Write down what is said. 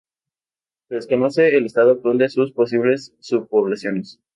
Se desconoce el estado actual de sus posibles subpoblaciones.